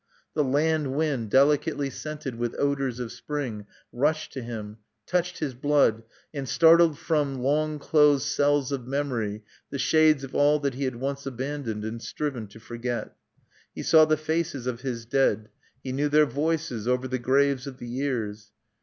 The land wind, delicately scented with odors of spring, rushed to him, touched his blood, and startled from long closed cells of memory the shades of all that he had once abandoned and striven to forget. He saw the faces of his dead: he knew their voices over the graves of the years.